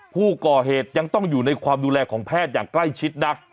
ผู้ก่อเหตุยังต้องอยู่ในความดูแลของแพทย์อย่างใกล้ชิดนัก